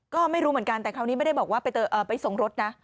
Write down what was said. ก็ไม่รู้เหมือนกันแต่คราวนี้ไม่ได้บอกว่าไปส่งรถนะ